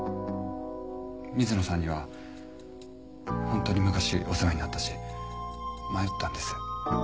水野さんには本当に昔お世話になったし迷ったんです。